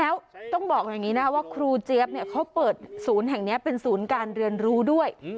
ว่าครูเจี๊ยบเขาเปิดศูนย์แห่งนี้เป็นศูนย์การเรียนรู้ด้วย